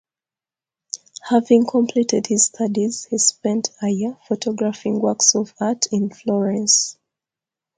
Having completed his studies he spent a year photographing works of art in Florence.